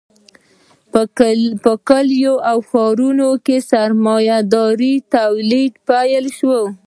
په کلیو او ښارونو کې سرمایه داري تولید پیل شو.